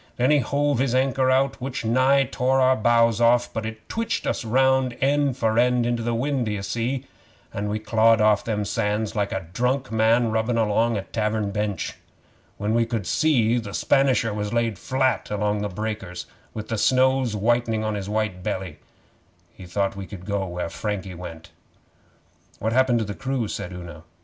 Then he hove his anchor out, which nigh tore our bows off, but it twitched us round end for end into the wind, d'ye see, an' we clawed off them sands like a drunk man rubbin' along a tavern bench. When we could see, the Spanisher was laid flat along in the breakers with the snows whitening on his wet belly. He thought he could go where Frankie went.' 'What happened to the crew?' said Una.